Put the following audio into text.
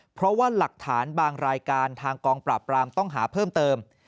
เพราะว่าหลักฐานบางรายการทางกองปราบปรามต้องหาเพิ่มเติม